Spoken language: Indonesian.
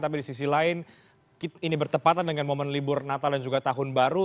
tapi di sisi lain ini bertepatan dengan momen libur natal dan juga tahun baru